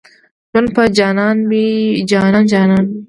ژوند په جانان وي جانان جانان وي